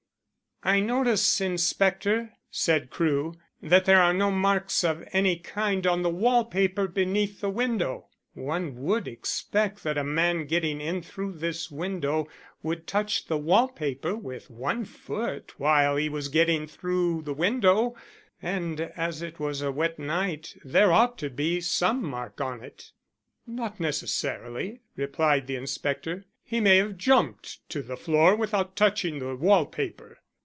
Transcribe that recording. "I notice, inspector," said Crewe, "that there are no marks of any kind on the wall paper beneath the window. One would expect that a man getting in through this window would touch the wall paper with one foot while he was getting through the window, and as it was a wet night there ought to be some mark on it." "Not necessarily," replied the inspector. "He may have jumped to the floor without touching the wall paper."